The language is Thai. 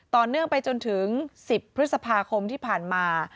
ต่อเนื่องไปจนถึง๑๐พฤษภาคมที่ผ่านมา